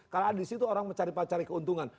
kalau ada di situ orang mencari cari keuntungan